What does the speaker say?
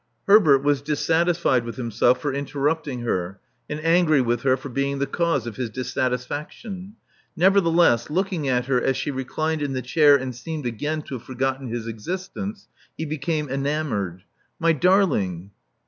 Herbert was dissatisfied with himself for interrupt ing her, and angry with her for being the cause of his dissatisfaction. Nevertheless, looking at her as she reclined in the chair, and seemed again to have for gotten his existence, he became enamored. •*My darling!"